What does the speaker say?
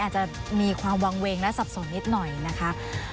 อาจจะมีความวางเวงและสับสนนิดหน่อยนะคะ